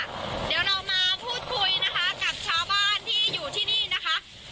เดี๋ยวเรามาพูดคุยนะคะกับชาวบ้านที่อยู่ที่นี่นะคะ